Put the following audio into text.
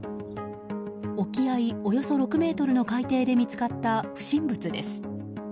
沖合およそ６ｍの海底で見つかった不審物です。